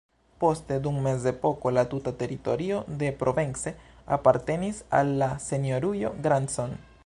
Poste dum mezepoko la tuta teritorio de Provence apartenis al la Senjorujo Grandson.